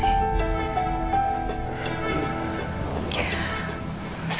kayaknya belain banget sih